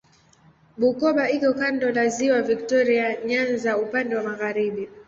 Bukoba iko kando la Ziwa Viktoria Nyanza upande wa magharibi.